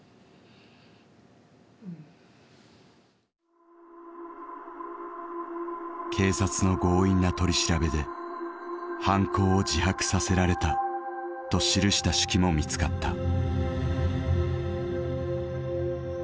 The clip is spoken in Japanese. まあだんだん警察の強引な取り調べで「犯行を自白させられた」と記した手記も見つかった。